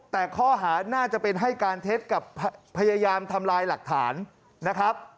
แต่ข้อหาน่าจะเป็นให้การเท็จกับพยายามทำลายหลักฐานนะครับ